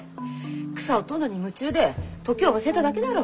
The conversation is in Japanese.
草を採んのに夢中で時を忘れただけだろう？